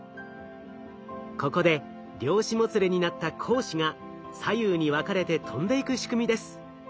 ここで量子もつれになった光子が左右に分かれて飛んでいく仕組みです。